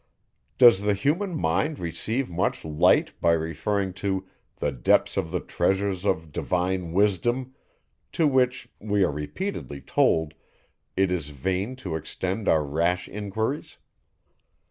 Does the human mind receive much light by being referred to the depths of the treasures of divine wisdom, to which, we are repeatedly told, it is vain to extend our rash enquiries?